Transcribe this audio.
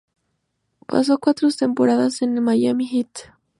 Paso cuatro temporadas en las Miami Heat.